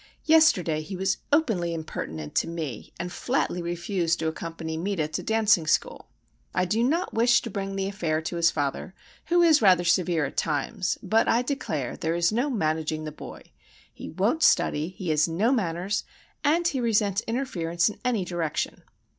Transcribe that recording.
"Yesterday he was openly impertinent to me, and flatly refused to accompany Meta to dancing school. I do not wish to bring the affair to his father, who is rather severe at times, but I declare there is no managing the boy. He won't study, he has no manners, and he resents interference in any direction."